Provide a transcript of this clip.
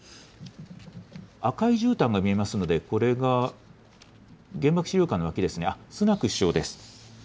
赤いじゅうたんが見えますので、これが原爆資料館の脇ですね、スナク首相です。